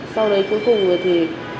sau đấy cuối cùng là thì